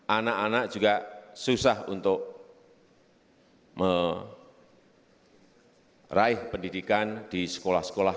anak anak juga susah untuk meraih pendidikan di sekolah sekolah